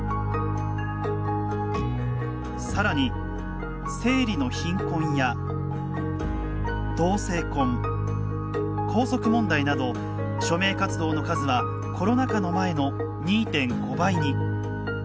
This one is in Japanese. さらに生理の貧困や、同性婚校則問題など署名活動の数はコロナ禍の前の２．５倍に。